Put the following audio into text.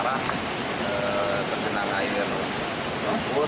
darah terkena air lumpur